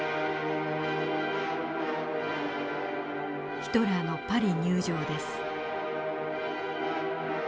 ヒトラーのパリ入城です。